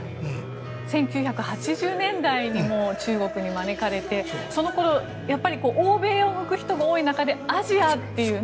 １９８０年代に中国に招かれてその頃、欧米を向く人が多い中でアジアという。